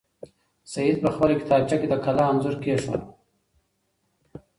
سعید په خپله کتابچه کې د کلا انځور کېښود.